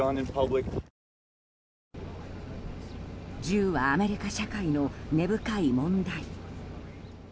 銃はアメリカ社会の根深い問題。